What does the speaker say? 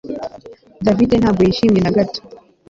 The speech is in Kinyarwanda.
David ntabwo yishimye na gato